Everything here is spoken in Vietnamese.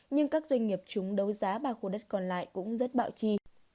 nhưng các doanh nghiệp chúng đấu giá ba khu đất còn lại cũng rất bạo chi